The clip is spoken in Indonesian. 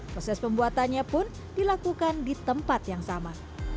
proses pembuatannya pun dilakukan di tempat yang sama